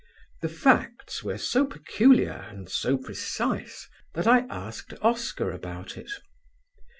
The facts were so peculiar and so precise that I asked Oscar about it.